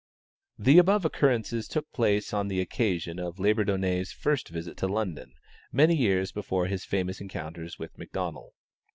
The above occurrences took place on the occasion of Labourdonnais' first visit to London, many years before his famous encounters with McDonnell.